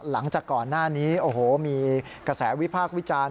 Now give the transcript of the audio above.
หลังจากก่อนหน้านี้โอ้โหมีกระแสวิพากษ์วิจารณ์